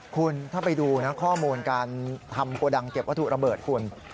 คุณถ้าไปดูนะข้อมูลการทำโกดังเก็บวัตถุระเบิดคุณ